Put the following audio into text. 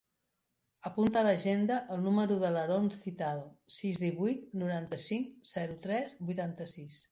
Apunta a l'agenda el número de l'Haron Cintado: sis, divuit, noranta-cinc, zero, tres, vuitanta-sis.